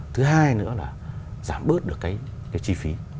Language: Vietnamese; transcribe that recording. thứ hai nữa là giảm bớt được cái chi phí